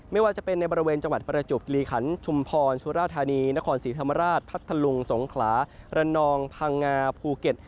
ไม่ว่าจะเป็นในบริเวณจังหวัดประจวบกิลีขันชุมพรสุราธานีนครศรีธรรมราชพัทธลุงสงขลาระนองพังงาภูเก็ต